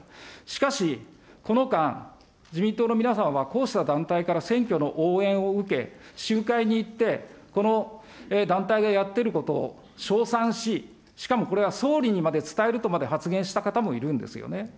しかし、この間、自民党の皆さんは、こうした団体から選挙の応援を受け、集会に行って、この団体がやっていることを称賛し、しかもこれは総理にまで伝えるとまで発言した方もいるんですよね。